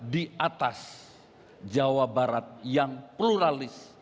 di atas jawa barat yang pluralis